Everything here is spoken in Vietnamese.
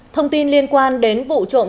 thông tin liên quan đến vụ trộm